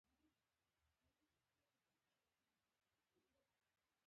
د جنوب په لور نېغ د ترنک سیند ته روان و.